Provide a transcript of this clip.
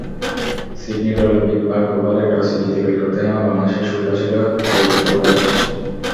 সিডনির Olympic Park ওভালে টসে জিতে ব্যাট করতে নামা বাংলাদেশের শুরুটা ছিল তথৈবচ।